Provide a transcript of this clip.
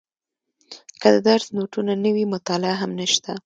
که د درس نوټونه نه وي مطالعه هم نشته.